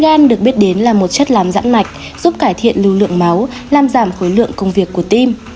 gan được biết đến là một chất làm giãn mạch giúp cải thiện lưu lượng máu làm giảm khối lượng công việc của tim